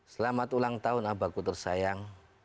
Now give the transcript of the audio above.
selamat ulang tahun abahku tersayang